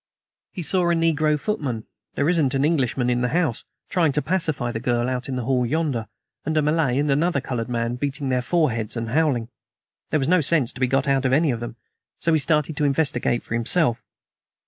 "He saw a negro footman there isn't an Englishman in the house trying to pacify the girl out in the hall yonder, and a Malay and another colored man beating their foreheads and howling. There was no sense to be got out of any of them, so he started to investigate for himself.